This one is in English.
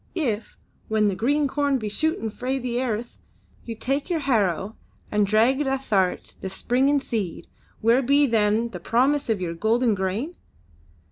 If, when the green corn be shootin' frae the airth, you take your harrow and drag it ath'art the springin' seed, where be then the promise of your golden grain?"